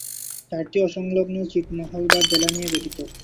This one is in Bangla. চারটি অসংলগ্ন ছিটমহল বা জেলা নিয়ে গঠিত।